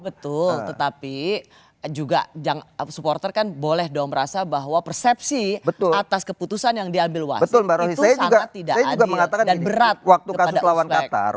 betul tetapi juga supporter kan boleh dong merasa bahwa persepsi atas keputusan yang diambil wasit itu sangat tidak adil dan berat kepada aspek